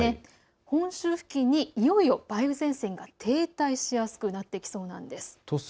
本州付近にいよいよ梅雨前線が停滞しやすくなってきそうなんです。